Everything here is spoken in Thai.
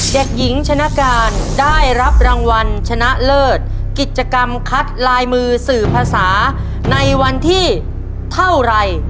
เด็กหญิงชนะการได้รับรางวัลชนะเลิศกิจกรรมคัดลายมือสื่อภาษาในวันที่เท่าไร